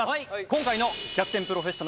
今回の逆転プロフェッショナル